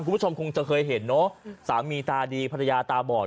คุณผู้ชมคงจะเคยเห็นเนอะสามีตาดีภรรยาตาบอด